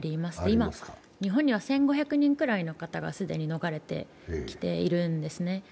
今、日本には１５００人くらいの方が既に逃れてきているんですね。